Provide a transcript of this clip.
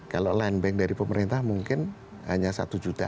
kalau land bank dari pemerintah mungkin hanya satu juta